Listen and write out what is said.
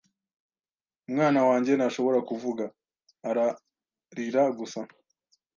Umwana wanjye ntashobora kuvuga. Ararira gusa.